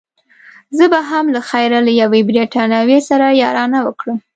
زه به هم له خیره له یوې بریتانوۍ سره یارانه وکړم.